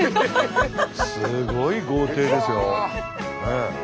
すごい豪邸ですよ。